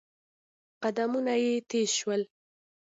قدمونه يې تېز شول.